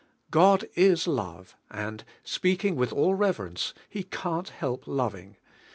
"fioii in love," anil, speaking with all reverence, He cau'l help loving.